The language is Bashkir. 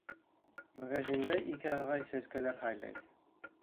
Магазиидә ике ағай сәскәләр һайлай.